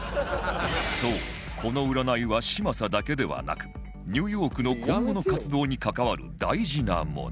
そうこの占いは嶋佐だけではなくニューヨークの今後の活動に関わる大事なもの